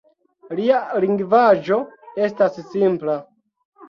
Lia lingvaĵo estas simpla.